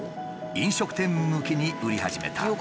飲食店向けに売り始めた。